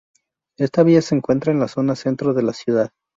Esta villa se encuentra en la Zona centro de la ciudad.